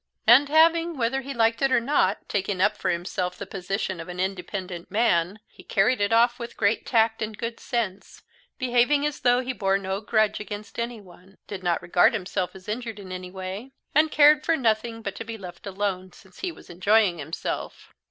And having, whether he liked or not, taken up for himself the position of an independent man, he carried it off with great tact and good sense, behaving as though he bore no grudge against anyone, did not regard himself as injured in any way, and cared for nothing but to be left alone since he was enjoying himself.